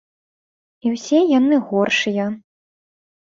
І ўсе яны горшыя.